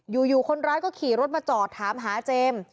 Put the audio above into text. อยู่คนร้ายก็ขี่รถมาจอดถามหาเจมส์